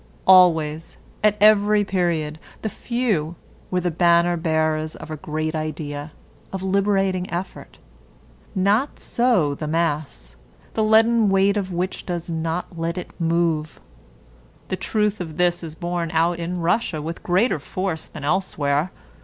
Always, at every period, the few were the banner bearers of a great idea, of liberating effort. Not so the mass, the leaden weight of which does not let it move. The truth of this is borne out in Russia with greater force than elsewhere.